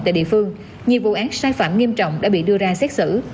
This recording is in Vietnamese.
tại địa phương nhiều vụ án sai phạm nghiêm trọng đã bị đưa ra xét xử